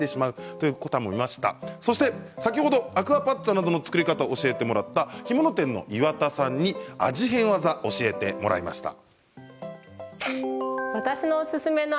そして先ほどアクアパッツァなどの作り方を教えてもらった干物店の岩田さんに味変技を教えてもらいました。